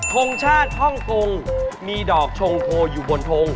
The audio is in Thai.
ทงชาติฮ่องกงมีดอกชงโพอยู่บนทง